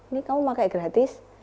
nih kamu pakai gratis